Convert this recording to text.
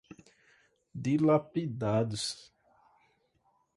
dilapidados